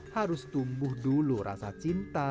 harus tumbuh dulu rasa cinta